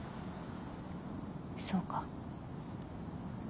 そうか。